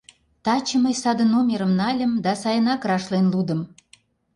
Таче мый саде номерым нальым да сайынак рашлен лудым.